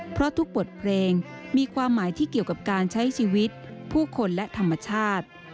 เพราะทุกบทเพลงมีความหมายที่เกี่ยวกับการใช้ชีวิตผู้คนและธรรมชาติ